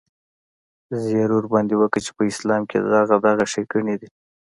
زيرى ورباندې وکه چې په اسلام کښې دغه دغه ښېګڼې دي.